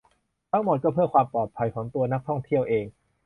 ทั้งหมดก็เพื่อความปลอดภัยของตัวนักท่องเที่ยวเอง